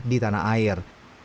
di tanah air